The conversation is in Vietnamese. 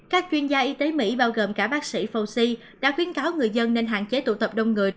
các chuyên gia y tế mỹ bao gồm cả bác sĩ fauci đã khuyến cáo người dân nên hạn chế tụ tập đông người